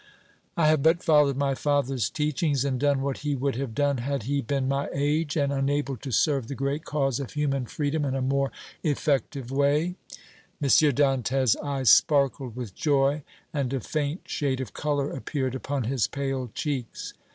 "I have but followed my father's teachings and done what he would have done had he been my age and unable to serve the great cause of human freedom in a more effective way!" M. Dantès' eyes sparkled with joy and a faint shade of color appeared upon his pale cheeks.